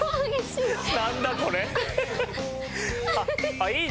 あっいい。